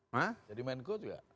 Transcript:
jadi menko juga